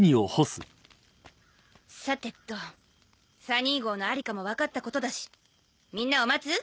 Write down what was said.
さてとサニー号のありかも分かったことだしみんなを待つ？